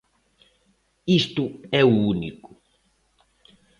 Isto é o único.